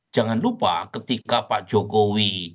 jangan lupa ketika pak jokowi